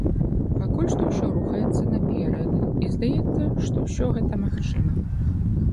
Пакуль што ўсё рухаецца наперад і, здаецца, што ўсё гэта магчыма.